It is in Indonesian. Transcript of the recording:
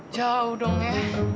jauh dong ya